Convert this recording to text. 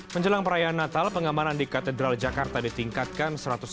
menjelang perayaan natal pengamanan di katedral jakarta ditingkatkan